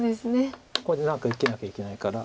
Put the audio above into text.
これで何か受けなきゃいけないから。